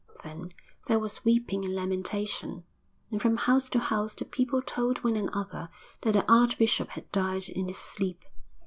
Then there was weeping and lamentation, and from house to house the people told one another that the archbishop had died in his sleep.